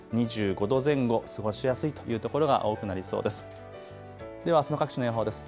２５度前後過ごしやすいというところが多くなりそうです。